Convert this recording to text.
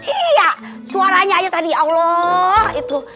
iya suaranya aja tadi allah itu